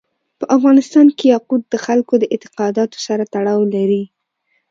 په افغانستان کې یاقوت د خلکو د اعتقاداتو سره تړاو لري.